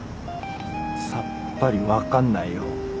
さっぱり分かんないよ。